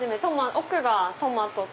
奥がトマト